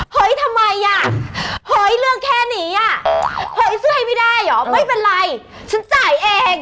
เฮ้ยทำไมอ่ะเฮ้ยเลือกแค่นี้อ่ะเฮ้ยซื้อให้ไม่ได้เหรอไม่เป็นไรฉันจ่ายเอง